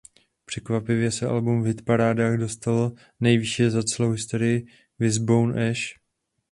Překvapivě se album v hitparádách dostalo nejvýše za celou historii Wishbone Ash.